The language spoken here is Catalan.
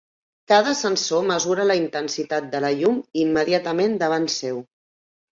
Cada sensor mesura la intensitat de la llum immediatament davant seu.